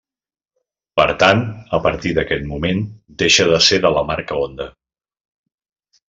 Per tant, a partir d'aquest moment deixa de ser de la marca Honda.